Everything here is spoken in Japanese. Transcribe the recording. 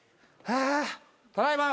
ただいま！